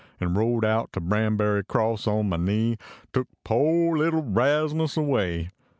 En rode out to Banbury Cross on my knee, Took po leetle Rasmus away.